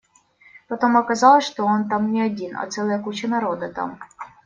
Потом оказалось, что он там не один, а целая куча народа там.